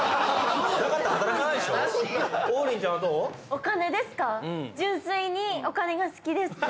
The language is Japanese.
お金好きですか？